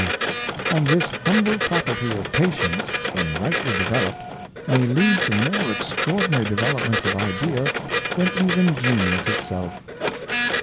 e; and this hum ble faculty of patience, when rightly developed, may lead to more extraordinary developments of idea than even genius itself."